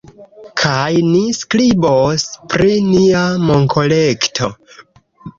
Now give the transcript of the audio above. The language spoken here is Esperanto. Kaj ni skribos pri nia monkolekto